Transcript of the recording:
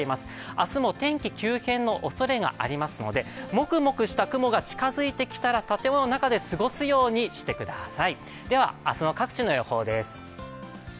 明日も天気急変のおそれがありますのでモクモクした雲が近づいてきたら建物の中で過ごすようにしてください。